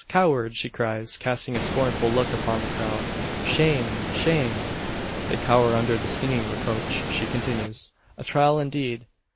cowards!" she cries, casting a scornful look upon the crowd. "Shame! shame!" They cower under the stinging reproach. She continues: "A trial indeed!